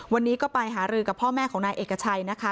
วันนี้ก็ไปหารือกับพ่อแม่ของนายเอกชัยนะคะ